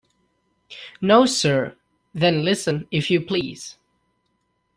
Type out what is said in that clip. ‘No, sir.’ ‘Then listen, if you please.